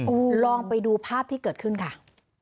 ลองไปดูภาพที่เกิดขึ้นค่ะ